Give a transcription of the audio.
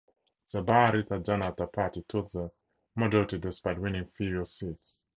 The Bharatiya Janata Party took the majority despite winning fewer seats.